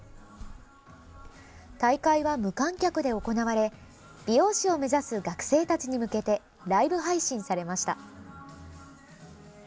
大会は無観客で行われ美容師を目指す学生たちに向けてライブ配信されました。